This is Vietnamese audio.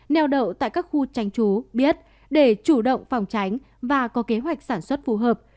neo đậu tại các khu tranh trú biết để chủ động phòng tránh và có kế hoạch sản xuất phù hợp